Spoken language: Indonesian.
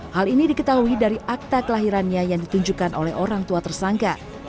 hal ini diketahui dari akta kelahirannya yang ditunjukkan oleh orang tua tersangka